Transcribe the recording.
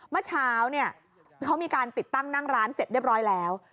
เมื่อเช้าเนี่ยเขามีการติดตั้งนั่งร้านเสร็จเรียบร้อยแล้ว